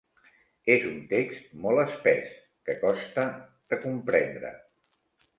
És un text molt espès, que costa de comprendre.